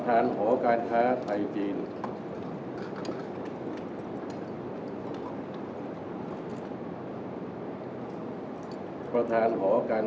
สวัสดีครับสวัสดีครับสวัสดีครับ